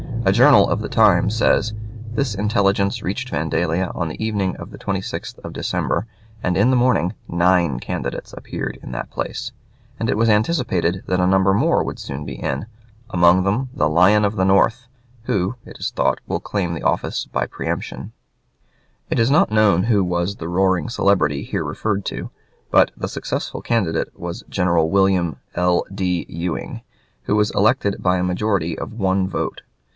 A journal of the time says: "This intelligence reached Vandalia on the evening of the 26th of December, and in the morning nine candidates appeared in that place, and it was anticipated that a number more would soon be in, among them 'the lion of the North,' who, it is thought, will claim the office by preemption." [Footnote: "Sangamo Journal," January 2.] It is not known who was the roaring celebrity here referred to, but the successful candidate was General William L. D. Ewing, who was elected by a majority of one vote.